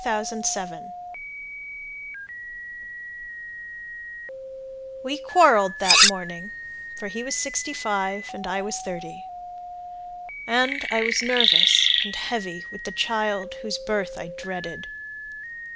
Julia Miller We quarreled that morning, For he was sixty—five, and I was thirty, And I was nervous and heavy with the child Whose birth I dreaded.